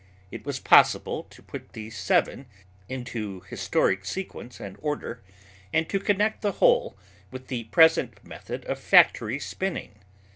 It was possible to put these seven into historic sequence and order and to connect the whole with the present method of factory spinning.